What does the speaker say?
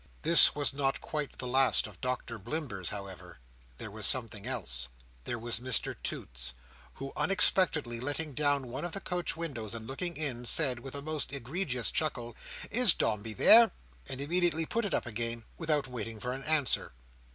This was not quite the last of Doctor Blimber's, however. There was something else. There was Mr Toots. Who, unexpectedly letting down one of the coach windows, and looking in, said, with a most egregious chuckle, "Is Dombey there?" and immediately put it up again, without waiting for an answer.